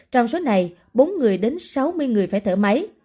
trong số này bốn sáu mươi người phải thở máy